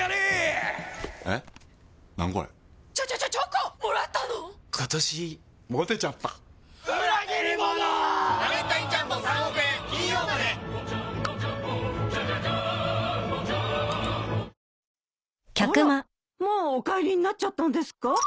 あらもうお帰りになっちゃったんですか？